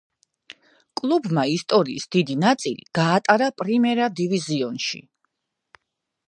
კლუბმა ისტორიის დიდი ნაწილი გაატარა პრიმერა დივიზიონში.